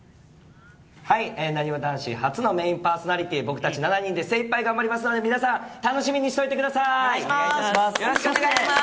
なにわ男子、初のメインパーソナリティー、僕たち７人で、精いっぱい頑張りますので皆さん、よろしくお願いします。